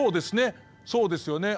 そうですね。